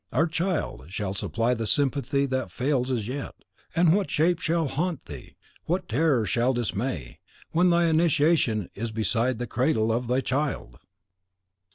Our child shall supply the sympathy that fails as yet; and what shape shall haunt thee, what terror shall dismay, when thy initiation is beside the cradle of thy child!